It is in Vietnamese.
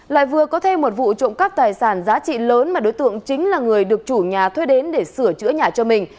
lại vừa có thêm một vụ trộm cắp tài sản giá trị lớn mà đối tượng chính là người được chủ nhà thuê đến để sửa chữa nhà cho mình